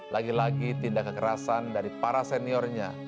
lagi lagi tindakan kerasan dari para seniornya